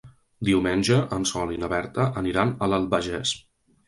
Diumenge en Sol i na Berta aniran a l'Albagés.